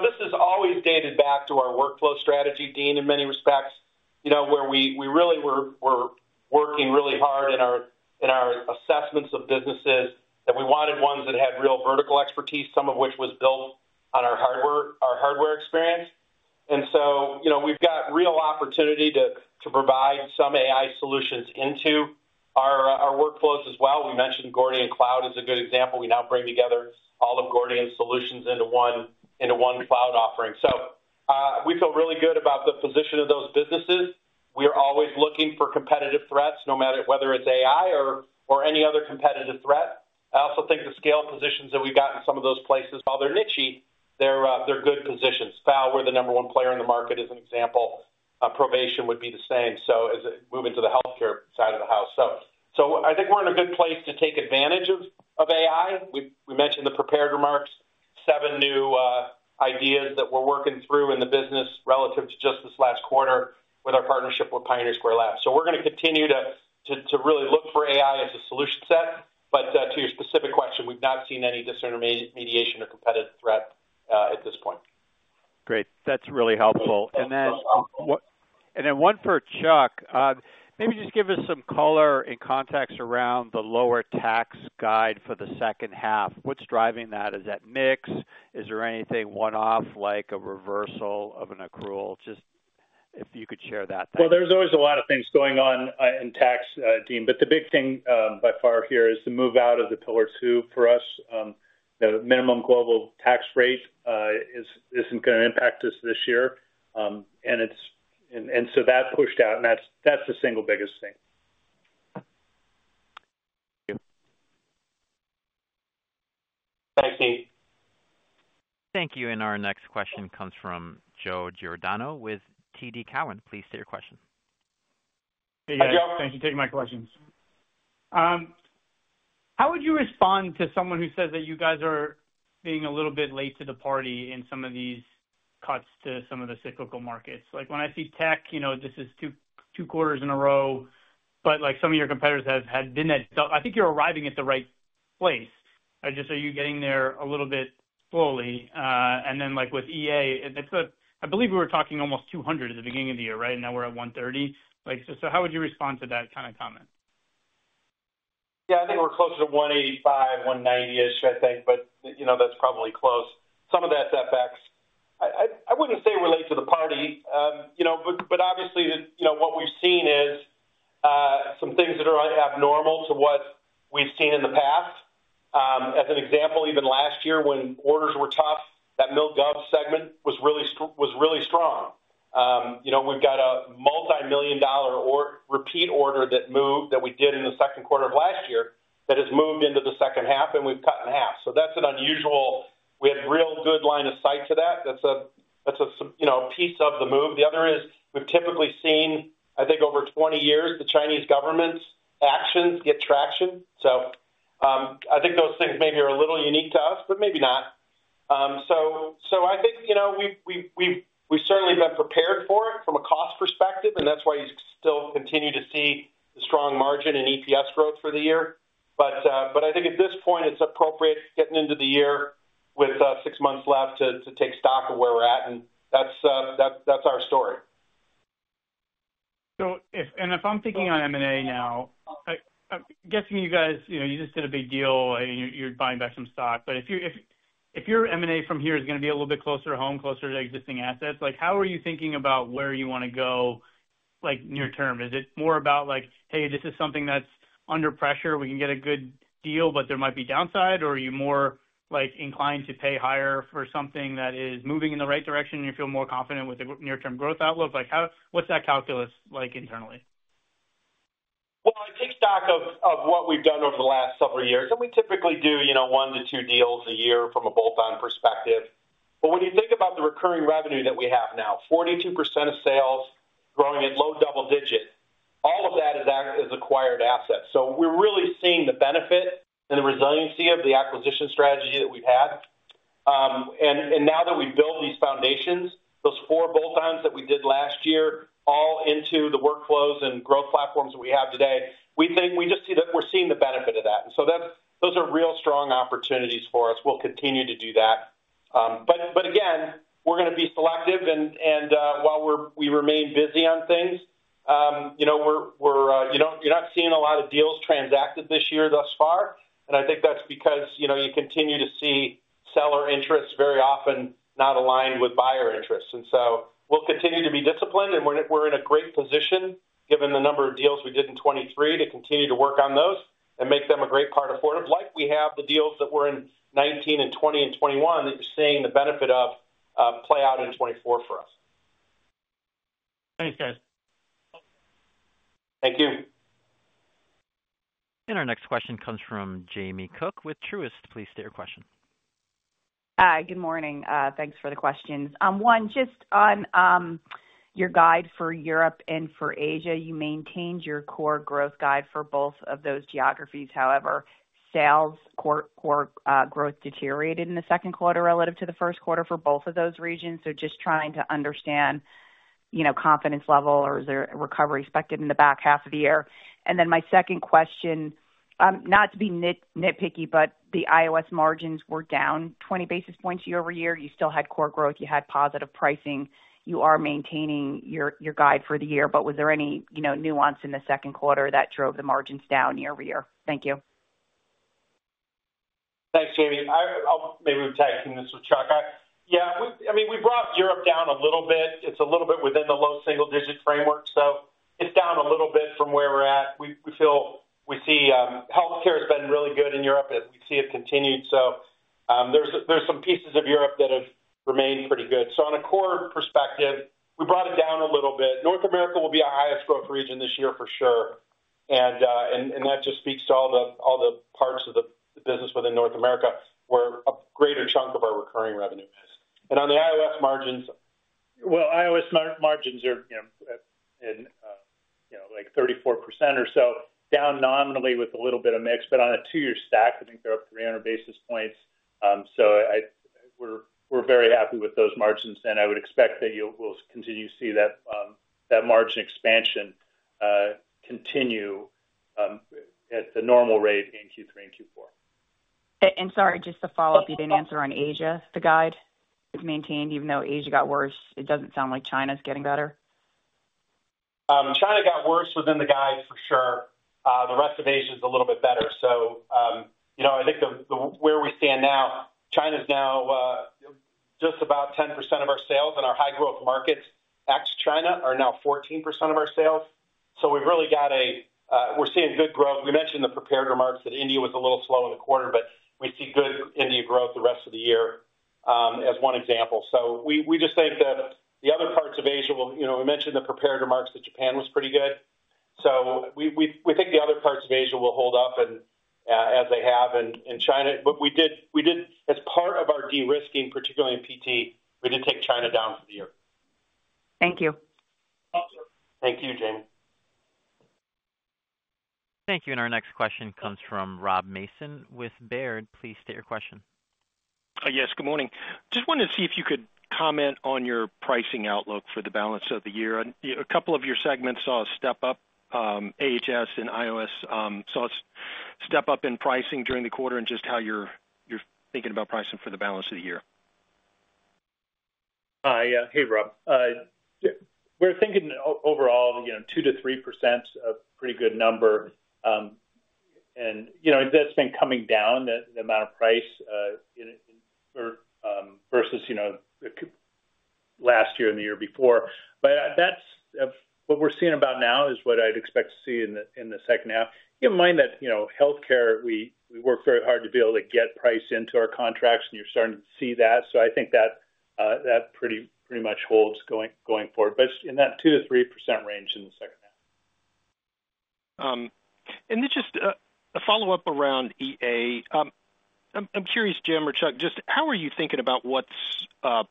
this is always dated back to our workflow strategy, Deane, in many respects, where we really were working really hard in our assessments of businesses that we wanted ones that had real vertical expertise, some of which was built on our hardware experience. And so we've got real opportunity to provide some AI solutions into our workflows as well. We mentioned Gordian Cloud is a good example. We now bring together all of Gordian's solutions into one cloud offering. So we feel really good about the position of those businesses. We are always looking for competitive threats, no matter whether it's AI or any other competitive threat. I also think the scale positions that we've got in some of those places, while they're nichy, they're good positions. FAL, we're the number 1 player in the market, as an example. Provation would be the same. So moving to the healthcare side of the house. So I think we're in a good place to take advantage of AI. We mentioned the prepared remarks, seven new ideas that we're working through in the business relative to just this last quarter with our partnership with Pioneer Square Labs. So we're going to continue to really look for AI as a solution set. But to your specific question, we've not seen any disintermediation or competitive threat at this point. Great. That's really helpful. And then one for Chuck. Maybe just give us some color and context around the lower tax guide for the second half. What's driving that? Is that mix? Is there anything one-off like a reversal of an accrual? Just if you could share that. Well, there's always a lot of things going on in tax, Deane. But the big thing by far here is the move out of the Pillar Two for us. The minimum global tax rate isn't going to impact us this year. And so that pushed out, and that's the single biggest thing. Thank you. Thanks, Deane. Thank you. And our next question comes from Joe Giordano with TD Cowen. Please state your question. Hey, Joe. Thanks for taking my questions. How would you respond to someone who says that you guys are being a little bit late to the party in some of these cuts to some of the cyclical markets? When I see Tek, this is 2 quarters in a row, but some of your competitors have been that I think you're arriving at the right place. Just are you getting there a little bit slowly? And then with EA, I believe we were talking almost 200 at the beginning of the year, right? And now we're at 130. So how would you respond to that kind of comment? Yeah, I think we're closer to 185, 190-ish, I think. But that's probably close. Some of that's FX. I wouldn't say relate to the party. But obviously, what we've seen is some things that are abnormal to what we've seen in the past. As an example, even last year when orders were tough, that Mil-Gov segment was really strong. We've got a multi-million dollar repeat order that we did in the second quarter of last year that has moved into the second half, and we've cut in half. So that's an unusual we had a real good line of sight to that. That's a piece of the move. The other is we've typically seen, I think, over 20 years, the Chinese government's actions get traction. So I think those things maybe are a little unique to us, but maybe not. So I think we've certainly been prepared for it from a cost perspective, and that's why you still continue to see the strong margin and EPS growth for the year. But I think at this point, it's appropriate getting into the year with six months left to take stock of where we're at. And that's our story. If I'm thinking on M&A now, I'm guessing you guys you just did a big deal, and you're buying back some stock. But if your M&A from here is going to be a little bit closer to home, closer to existing assets, how are you thinking about where you want to go near term? Is it more about, "Hey, this is something that's under pressure. We can get a good deal, but there might be downside"? Or are you more inclined to pay higher for something that is moving in the right direction and you feel more confident with the near-term growth outlook? What's that calculus like internally? Well, I take stock of what we've done over the last several years. We typically do 1-2 deals a year from a bolt-on perspective. But when you think about the recurring revenue that we have now, 42% of sales growing at low double-digit, all of that is acquired assets. So we're really seeing the benefit and the resiliency of the acquisition strategy that we've had. And now that we've built these foundations, those 4 bolt-ons that we did last year, all into the workflows and growth platforms that we have today, we just see that we're seeing the benefit of that. And so those are real strong opportunities for us. We'll continue to do that. But again, we're going to be selective. And while we remain busy on things, you're not seeing a lot of deals transacted this year thus far. I think that's because you continue to see seller interests very often not aligned with buyer interests. So we'll continue to be disciplined. We're in a great position, given the number of deals we did in 2023, to continue to work on those and make them a great part of Fortive. We have the deals that were in 2019 and 2020 and 2021 that you're seeing the benefit of play out in 2024 for us. Thanks, guys. Thank you. Our next question comes from Jamie Cook with Truist. Please state your question. Hi, good morning. Thanks for the questions. One, just on your guide for Europe and for Asia, you maintained your core growth guide for both of those geographies. However, sales core growth deteriorated in the second quarter relative to the first quarter for both of those regions. So just trying to understand confidence level or is there a recovery expected in the back half of the year? And then my second question, not to be nitpicky, but the IOS margins were down 20 basis points year-over-year. You still had core growth. You had positive pricing. You are maintaining your guide for the year. But was there any nuance in the second quarter that drove the margins down year-over-year? Thank you. Thanks, Jamie. Maybe we're tagging this with Chuck. Yeah, I mean, we brought Europe down a little bit. It's a little bit within the low single digit framework. So it's down a little bit from where we're at. We see healthcare has been really good in Europe, and we see it continued. So there's some pieces of Europe that have remained pretty good. So on a core perspective, we brought it down a little bit. North America will be our highest growth region this year for sure. And that just speaks to all the parts of the business within North America where a greater chunk of our recurring revenue is. And on the IOS margins. Well, IOS margins are in like 34% or so, down nominally with a little bit of mix. But on a 2-year stack, I think they're up 300 basis points. So we're very happy with those margins. And I would expect that you will continue to see that margin expansion continue at the normal rate in Q3 and Q4. Sorry, just to follow up, you didn't answer on Asia. The guide is maintained even though Asia got worse. It doesn't sound like China's getting better. China got worse within the guide for sure. The rest of Asia is a little bit better. So I think where we stand now, China's now just about 10% of our sales in our high-growth markets. Ex-China are now 14% of our sales. So we've really got a we're seeing good growth. We mentioned the prepared remarks that India was a little slow in the quarter, but we see good India growth the rest of the year as one example. So we just think the other parts of Asia will we mentioned the prepared remarks that Japan was pretty good. So we think the other parts of Asia will hold up as they have in China. But we did, as part of our de-risking, particularly in PT, we did take China down for the year. Thank you. Thank you, Jamie. Thank you. And our next question comes from Rob Mason with Baird. Please state your question. Yes, good morning. Just wanted to see if you could comment on your pricing outlook for the balance of the year. A couple of your segments saw a step up, AHS and IOS saw a step up in pricing during the quarter and just how you're thinking about pricing for the balance of the year? Hi, yeah. Hey, Rob. We're thinking overall 2%-3%, a pretty good number. And that's been coming down, the amount of price versus last year and the year before. But what we're seeing about now is what I'd expect to see in the second half. Keep in mind that healthcare, we work very hard to be able to get price into our contracts, and you're starting to see that. So I think that pretty much holds going forward, but in that 2%-3% range in the second half. Just a follow-up around EA. I'm curious, Jim or Chuck, just how are you thinking about what's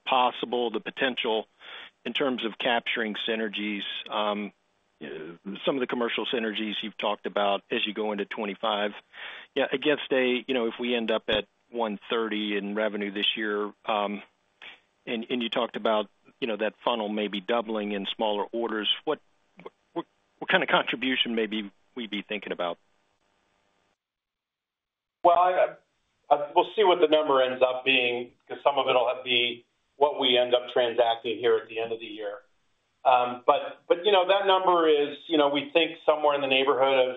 possible, the potential in terms of capturing synergies, some of the commercial synergies you've talked about as you go into 2025? Yeah, against if we end up at $130 million in revenue this year, and you talked about that funnel maybe doubling in smaller orders, what kind of contribution maybe we'd be thinking about? Well, we'll see what the number ends up being because some of it will be what we end up transacting here at the end of the year. But that number is we think somewhere in the neighborhood of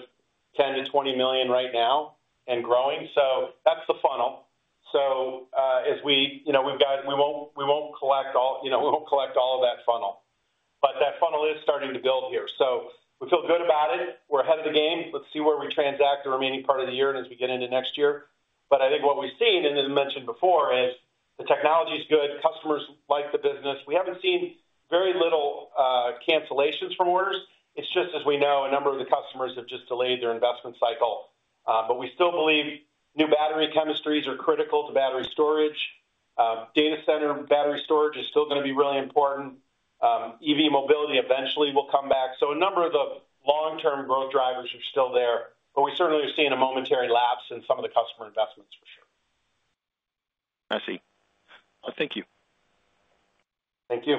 $10 million-$20 million right now and growing. So that's the funnel. So as we won't collect all of that funnel. But that funnel is starting to build here. So we feel good about it. We're ahead of the game. Let's see where we transact the remaining part of the year and as we get into next year. But I think what we've seen, and as mentioned before, is the technology is good. Customers like the business. We haven't seen very little cancellations from orders. It's just, as we know, a number of the customers have just delayed their investment cycle. But westill believe new battery chemistries are critical to battery storage. Data center battery storage is still going to be really important. EV mobility eventually will come back. So a number of the long-term growth drivers are still there. But we certainly are seeing a momentary lapse in some of the customer investments for sure. I see. Thank you. Thank you.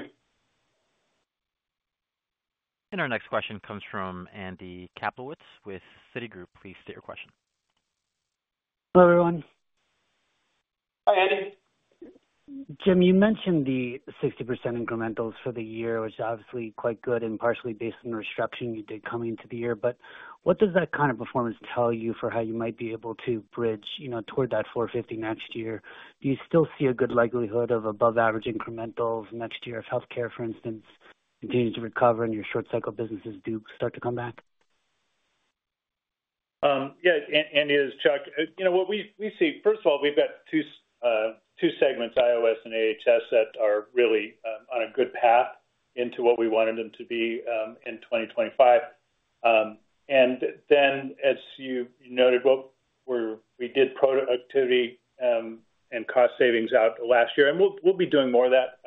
Our next question comes from Andrew Kaplowitz with Citigroup. Please state your question. Hello, everyone. Hi, Andy. Jim, you mentioned the 60% incrementals for the year, which is obviously quite good and partially based on the restructuring you did coming into the year. But what does that kind of performance tell you for how you might be able to bridge toward that 450 next year? Do you still see a good likelihood of above-average incrementals next year if healthcare, for instance, continues to recover and your short-cycle businesses do start to come back? Yeah, and this Chuck, what we see, first of all, we've got two segments, IOS and AHS, that are really on a good path into what we wanted them to be in 2025. And then, as you noted, we did productivity and cost savings out last year. And we'll be doing more of that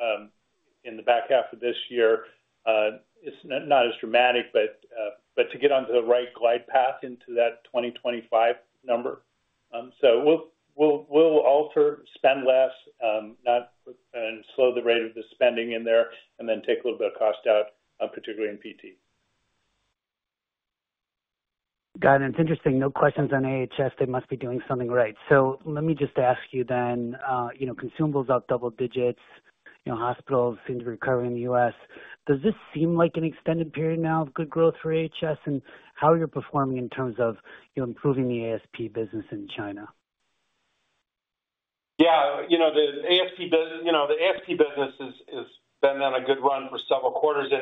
in the back half of this year. It's not as dramatic, but to get onto the right glide path into that 2025 number. So we'll alter, spend less, and slow the rate of the spending in there, and then take a little bit of cost out, particularly in PT. Got it. It's interesting. No questions on AHS. They must be doing something right. Let me just ask you then, consumables out double digits, hospitals seem to be recovering in the U.S. Does this seem like an extended period now of good growth for AHS? And how are you performing in terms of improving the ASP business in China? Yeah, the ASP business has been on a good run for several quarters.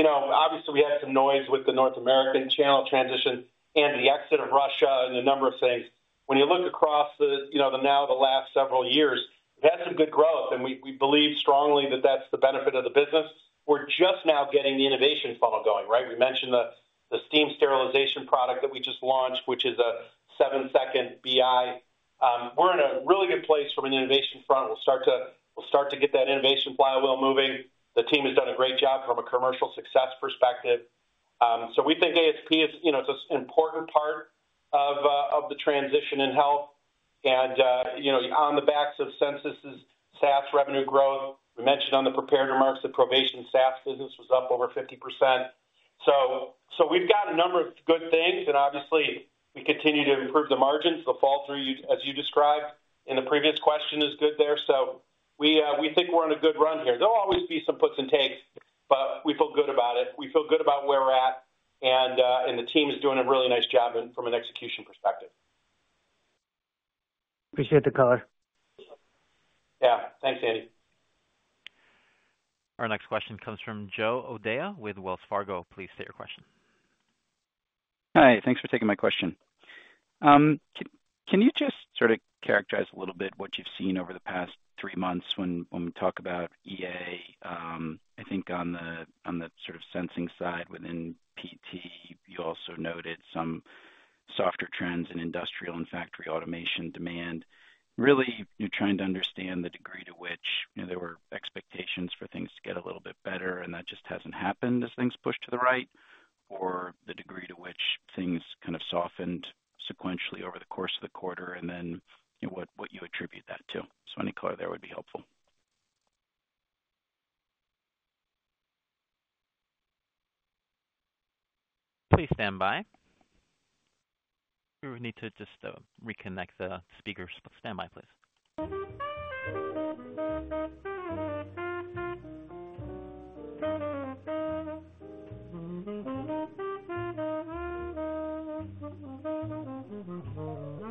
Obviously, we had some noise with the North American channel transition and the exit of Russia and a number of things. When you look across the now the last several years, we've had some good growth, and we believe strongly that that's the benefit of the business. We're just now getting the innovation funnel going, right? We mentioned the steam sterilization product that we just launched, which is a 7-second BI. We're in a really good place from an innovation front. We'll start to get that innovation flywheel moving. The team has done a great job from a commercial success perspective. So we think ASP is an important part of the transition in health. On the backs of Censis's SaaS revenue growth, we mentioned on the prepared remarks that Provation SaaS business was up over 50%. So we've got a number of good things. And obviously, we continue to improve the margins. The fall-through, as you described in the previous question, is good there. So we think we're on a good run here. There'll always be some puts and takes, but we feel good about it. We feel good about where we're at. And the team is doing a really nice job from an execution perspective. Appreciate the color. Yeah. Thanks, Andy. Our next question comes from Joe O'Dea with Wells Fargo. Please state your question. Hi. Thanks for taking my question. Can you just sort of characterize a little bit what you've seen over the past three months when we talk about EA? I think on the sort of sensing side within PT, you also noted some softer trends in industrial and factory automation demand. Really, you're trying to understand the degree to which there were expectations for things to get a little bit better, and that just hasn't happened as things pushed to the right, or the degree to which things kind of softened sequentially over the course of the quarter, and then what you attribute that to. So any color there would be helpful. Please stand by. We need to just reconnect the speakers. Stand by, please. Thank you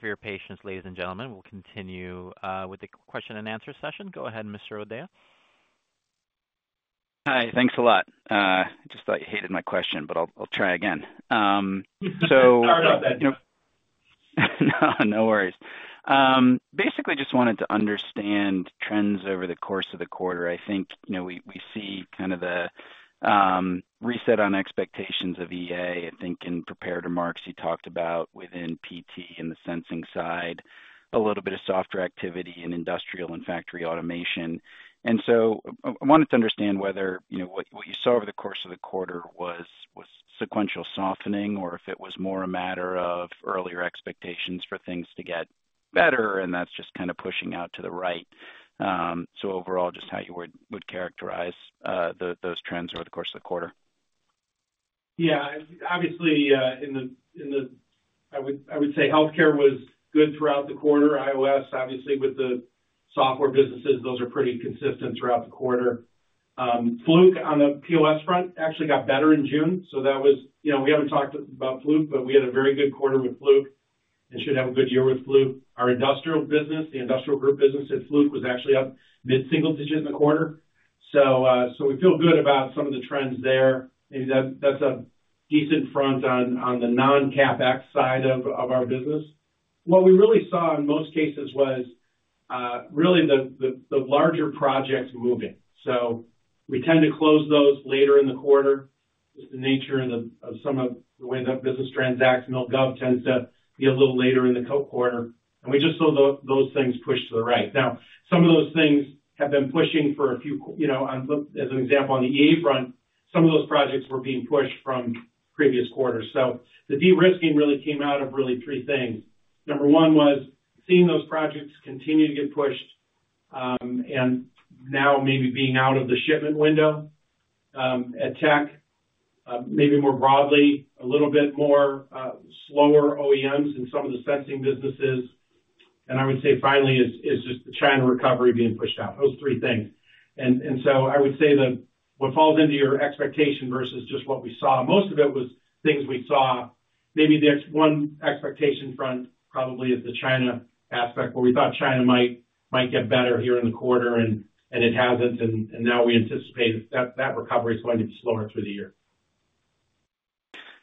for your patience, ladies and gentlemen. We'll continue with the question and answer session. Go ahead, Mr. O'Dea. Hi. Thanks a lot. I just thought you hated my question, but I'll try again. So. Sorry about that. No worries. Basically, just wanted to understand trends over the course of the quarter. I think we see kind of the reset on expectations of EA, I think, in prepared remarks you talked about within PT and the sensing side, a little bit of softer activity in industrial and factory automation. And so I wanted to understand whether what you saw over the course of the quarter was sequential softening or if it was more a matter of earlier expectations for things to get better, and that's just kind of pushing out to the right. So overall, just how you would characterize those trends over the course of the quarter? Yeah. Obviously, in the IOS, I would say healthcare was good throughout the quarter. IOS, obviously, with the software businesses, those are pretty consistent throughout the quarter. Fluke on the POS front actually got better in June. So that was, we haven't talked about Fluke, but we had a very good quarter with Fluke and should have a good year with Fluke. Our industrial business, the industrial group business at Fluke, was actually up mid-single digit in the quarter. So we feel good about some of the trends there. That's a decent front on the non-CAPEX side of our business. What we really saw in most cases was really the larger projects moving. So we tend to close those later in the quarter because of the nature of some of the way that business transacts. Mil-Gov tends to be a little later in the quarter. And we just saw those things pushed to the right. Now, some of those things have been pushing for a few, as an example, on the EA front, some of those projects were being pushed from previous quarters. So the de-risking really came out of really three things. Number one was seeing those projects continue to get pushed and now maybe being out of the shipment window at Tek, maybe more broadly, a little bit more slower OEMs in some of the sensing businesses. And I would say finally is just the China recovery being pushed out. Those three things. And so I would say what falls into your expectation versus just what we saw, most of it was things we saw. Maybe the one expectation front probably is the China aspect where we thought China might get better here in the quarter, and it hasn't. Now we anticipate that recovery is going to be slower through the year.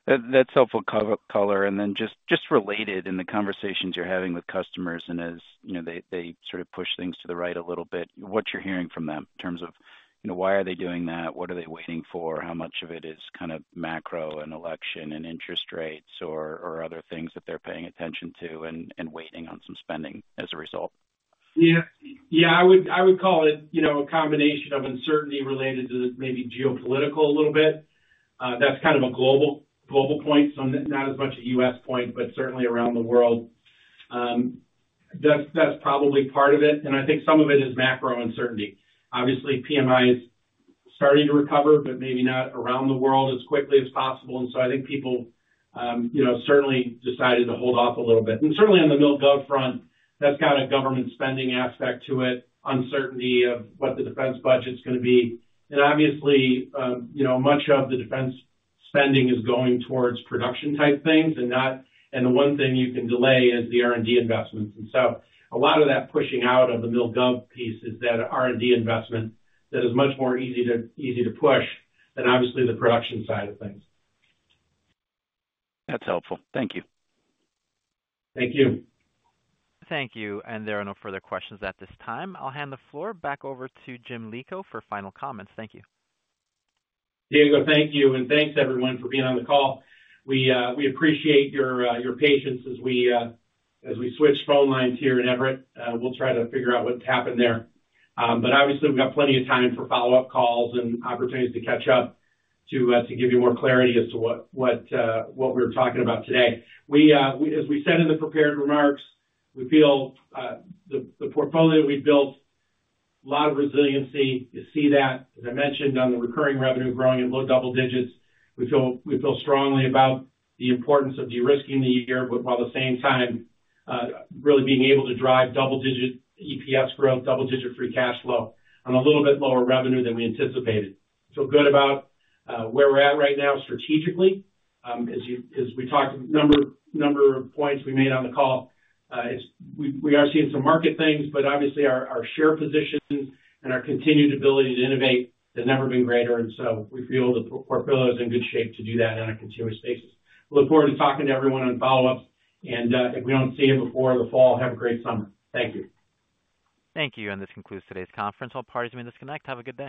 That's helpful color. Then just related in the conversations you're having with customers and as they sort of push things to the right a little bit, what you're hearing from them in terms of why are they doing that? What are they waiting for? How much of it is kind of macro and election and interest rates or other things that they're paying attention to and waiting on some spending as a result? Yeah. Yeah, I would call it a combination of uncertainty related to maybe geopolitical, a little bit. That's kind of a global point, so not as much a U.S. point, but certainly around the world. That's probably part of it. And I think some of it is macro uncertainty. Obviously, PMI is starting to recover, but maybe not around the world as quickly as possible. And so I think people certainly decided to hold off a little bit. And certainly on the Mil-Gov front, that's got a government spending aspect to it, uncertainty of what the defense budget's going to be. And obviously, much of the defense spending is going towards production-type things. And the one thing you can delay is the R&D investments. And so a lot of that pushing out of the Mil-Gov piece is that R&D investment that is much more easy to push than obviously the production side of things. That's helpful. Thank you. Thank you. Thank you. There are no further questions at this time. I'll hand the floor back over to Jim Lico for final comments. Thank you. Diego, thank you. Thanks, everyone, for being on the call. We appreciate your patience as we switch phone lines here in Everett. We'll try to figure out what's happened there. Obviously, we've got plenty of time for follow-up calls and opportunities to catch up to give you more clarity as to what we're talking about today. As we said in the prepared remarks, we feel the portfolio we've built a lot of resiliency. You see that, as I mentioned, on the recurring revenue growing at low double digits. We feel strongly about the importance of de-risking the year while at the same time really being able to drive double-digit EPS growth, double-digit free cash flow on a little bit lower revenue than we anticipated. We feel good about where we're at right now strategically. As we talked about the number of points we made on the call, we are seeing some market things, but obviously, our share position and our continued ability to innovate has never been greater. And so we feel the portfolio is in good shape to do that on a continuous basis. Look forward to talking to everyone on follow-up. And if we don't see you before the fall, have a great summer. Thank you. Thank you. This concludes today's conference. All parties may disconnect. Have a good day.